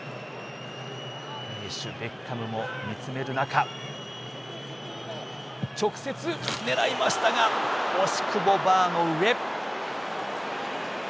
ベッカムも見つめる中直接狙いましたが惜しくもバーの上。